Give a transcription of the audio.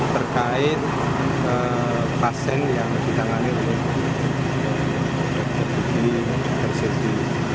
perkait pasien yang ditangani oleh dokter gigi dokter sesi